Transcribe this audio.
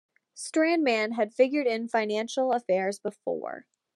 Strandman had figured in financial affairs before.